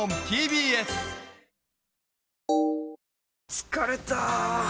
疲れた！